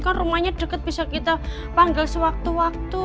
kan rumahnya dekat bisa kita panggil sewaktu waktu